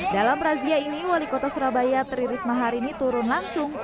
dalam razia ini wali kota surabaya teriris maharini turun langsung ke wali kota surabaya